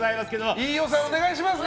飯尾さん、お願いしますね。